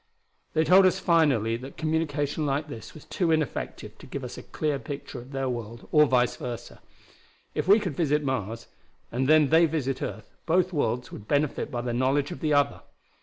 "They told us finally that communication like this was too ineffective to give us a clear picture of their world, or vice versa. If we could visit Mars, and then they visit earth, both worlds would benefit by the knowledge of the other.